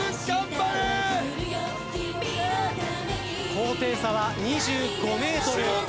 高低差は２５ｍ。